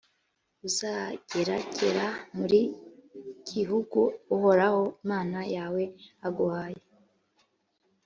uzageragera mu gihugu uhoraho imana yawe aguhaye,